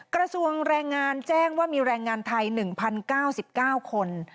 กระทรวงแรงงานแจ้งว่ามีแรงงานไทย๑๐๙๙คน